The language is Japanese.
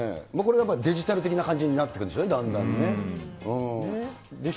デジタル的な感じになってくるんですよね、だんだんね。